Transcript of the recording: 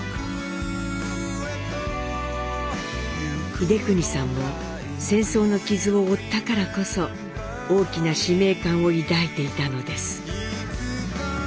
英邦さんも戦争の傷を負ったからこそ大きな使命感を抱いていたのです。